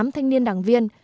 tám thanh niên đảng viên